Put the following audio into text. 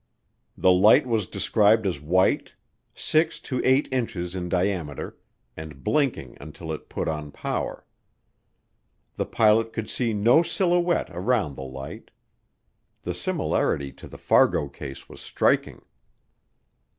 The light was described as white, 6 to 8 inches in diameter, and blinking until it put on power. The pilot could see no silhouette around the light. The similarity to the Fargo case was striking.